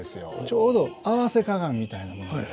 ちょうど合わせ鏡みたいなものに。